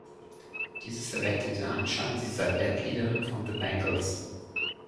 Dieses erweckte den Anschein, sie sei Bandleaderin von The Bangles.